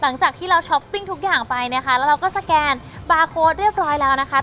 หลังจากที่เราช้อปปิ้งทุกอย่างไปนะคะแล้วเราก็สแกนบาร์โค้ดเรียบร้อยแล้วนะคะ